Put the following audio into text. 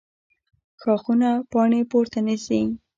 ښاخونه پاڼې پورته نیسي